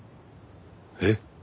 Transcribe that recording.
えっ？